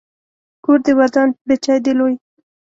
کور دې ودان، بچی دې لوی